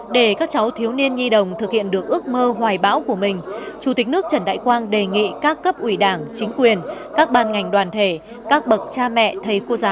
bác hồ nguyên nhân lớp lớp thiếu niên nhi đồng việt nam đã vào đại